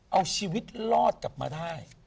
เอาชีวิตรอดกลับมาได้